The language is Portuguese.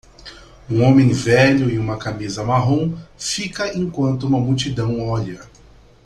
Um homem velho em uma camisa marrom fica enquanto uma multidão olha